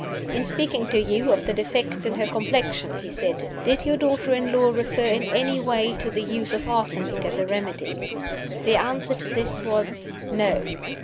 "In speaking to you of the defects in her complexion," he said, "did your daughter in law refer in any way to the use of arsenic as a remedy?" The answer to this was, "No."